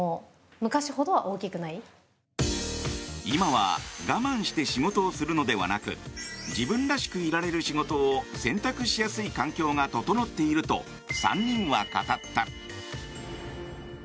今は我慢して仕事をするのではなく自分らしくいられる仕事を選択しやすい環境が整っていると３人は語った。